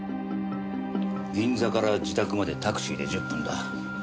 銀座から自宅までタクシーで１０分だ。